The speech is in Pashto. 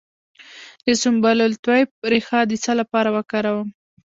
د سنبل الطیب ریښه د څه لپاره وکاروم؟